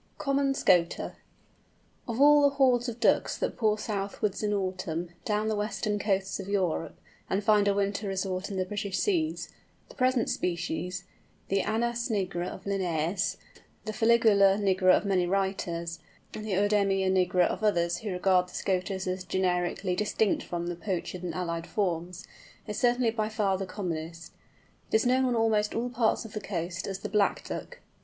COMMON SCOTER. Of all the hordes of Ducks that pour southwards in autumn, down the western coasts of Europe, and find a winter resort in the British Seas, the present species, the Anas nigra of Linnæus, the Fuligula nigra of many writers, and Œdemia nigra of others who regard the Scoters as generically distinct from the Pochard and allied forms, is certainly by far the commonest. It is known on almost all parts of the coast as the "Black Duck."